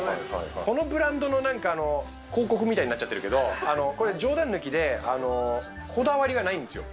このブランドの広告みたいになっちゃってるけど、冗談抜きでこだわりがないんですよ。